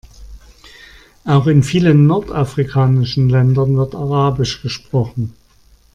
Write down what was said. Auch in vielen nordafrikanischen Ländern wird arabisch gesprochen.